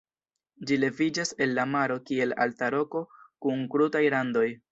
Ĝi leviĝas el la maro kiel alta roko kun krutaj randoj.